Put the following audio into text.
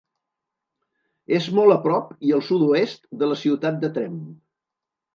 És molt a prop i al sud-oest de la ciutat de Tremp.